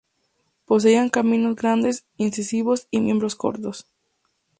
Poseían caninos grandes, incisivos y miembros cortos.